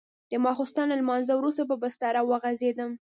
د ماخستن له لمانځه وروسته په بستره وغځېدم.